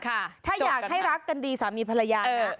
ถ้าอยากให้รักกันดีสามีภรรยานะ